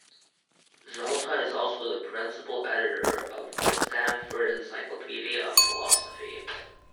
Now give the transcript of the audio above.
Zalta is also the Principal Editor of the "Stanford Encyclopedia of Philosophy".